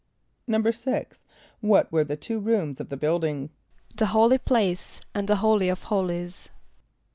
= =6.= What were the two rooms of the building? =The holy place, and the holy of holies.